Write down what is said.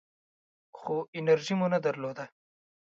خو انرژي مو نه درلوده .